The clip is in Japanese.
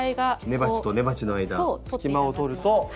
根鉢と根鉢の間隙間を取ると。